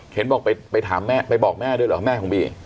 เห็นบอกไปถามแม่ไปบอกแม่ด้วยเหรอแม่ของบี